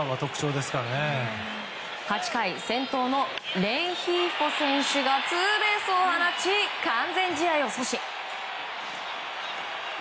８回、先頭のレンヒーフォ選手がツーベースを放ち完全試合を阻止。